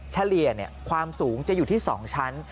เฉลี่ยความสูงจะอยู่ที่๒ชั้น